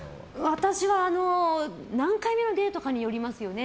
私は、何回目のデートかによりますよね。